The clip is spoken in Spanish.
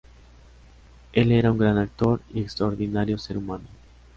Él era un gran actor y extraordinario ser humano.